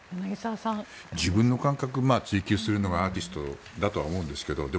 自分の感覚を追求するのがアーティストだとは思うんですけど